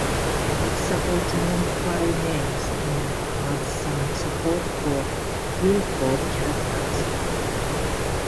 It supports long file names and has some support for Unicode characters.